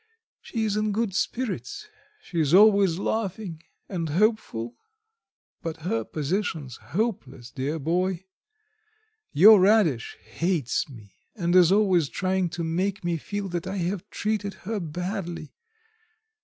"She is in good spirits, she's always laughing and hopeful, but her position's hopeless, dear boy. Your Radish hates me, and is always trying to make me feel that I have treated her badly.